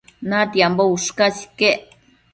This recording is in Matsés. natiambo ushcas iquec